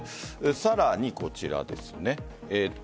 さらにこちらです。